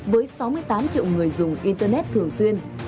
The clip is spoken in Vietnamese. với sáu mươi tám triệu người dùng internet thường xuyên